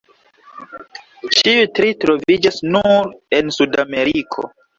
Ĉiuj tri troviĝas nur en Sudameriko.